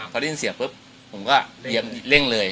พอได้ยินเสียงปุ๊บผมก็เล่นเลย